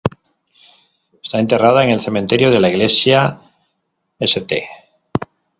Está enterrada en el cementerio de la iglesia St.